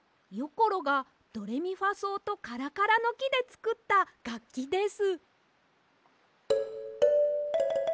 ころがドレミファそうとカラカラのきでつくったがっきです。